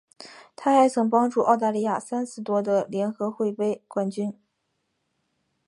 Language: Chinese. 她还曾帮助澳大利亚三次夺得联合会杯冠军。